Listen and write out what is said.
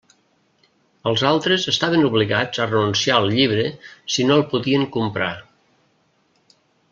Els altres estaven obligats a renunciar al llibre si no el podien comprar.